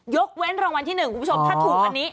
เว้นรางวัลที่๑คุณผู้ชมถ้าถูกอันนี้